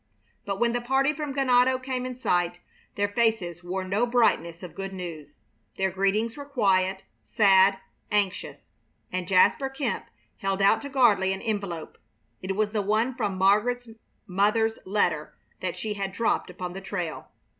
But when the party from Ganado came in sight their faces wore no brightness of good news. Their greetings were quiet, sad, anxious, and Jasper Kemp held out to Gardley an envelope. It was the one from Margaret's mother's letter that she had dropped upon the trail.